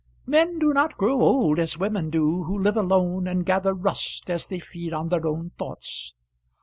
"Men do not grow old as women do, who live alone and gather rust as they feed on their own thoughts."